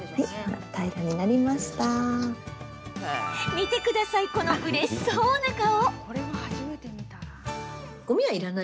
見てくださいこのうれしそうな顔。